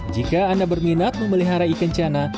jika anda berminat memelihara ikan ciana